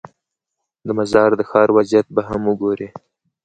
د مزار د ښار وضعیت به هم وګورې.